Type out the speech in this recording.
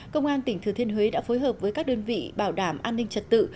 công an tỉnh thừa thiên huế đã phối hợp với các đơn vị bảo đảm an ninh trật tự